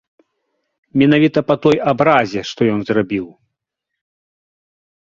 Менавіта па той абразе, што ён зрабіў.